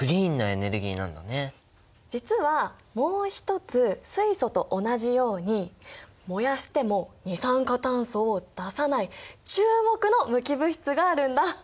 実はもう一つ水素と同じように燃やしても二酸化炭素を出さない注目の無機物質があるんだ。